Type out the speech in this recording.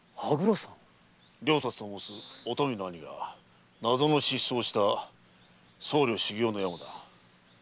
了達と申すおたみの兄が謎の失踪をした僧侶修行の山だ。